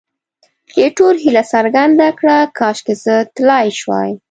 ایټور هیله څرګنده کړه، کاشکې زه تلای شوای.